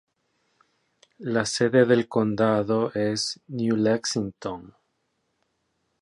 La sede del condado es New Lexington.